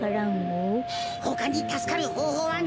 ほかにたすかるほうほうはないってか！